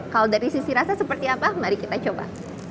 kalau dari sisi rasa seperti apa mari kita coba